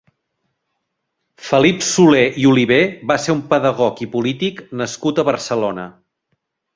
Felip Solé i Olivé va ser un pedagog i polític nascut a Barcelona.